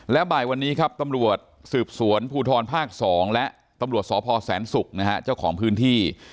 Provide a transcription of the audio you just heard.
และบ่ายวันนี้ครับตำรวจสืบสวนภูทรภาค๒และตำรวจสพแสนศุกร์นะฮะเจ้าของพื้นที่